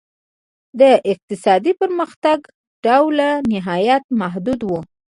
د اقتصادي پرمختګ ډول نهایتاً محدود و.